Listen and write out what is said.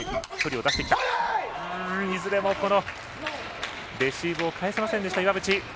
いずれもレシーブを返せませんでした、岩渕。